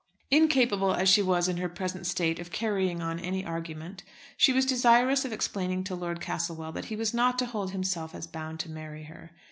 Incapable as she was in her present state of carrying on any argument, she was desirous of explaining to Lord Castlewell that he was not to hold himself as bound to marry her.